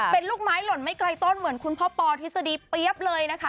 เป็นลูกไม้หล่นไม่ไกลต้นเหมือนคุณพ่อปอทฤษฎีเปี๊ยบเลยนะคะ